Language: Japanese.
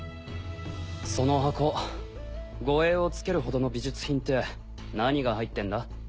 その箱護衛をつけるほどの美術品って何が入ってんだ？